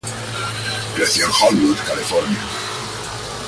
Creció en Hollywood, California.